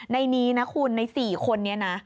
ในนี้นะคุณในสี่คนนี้ท์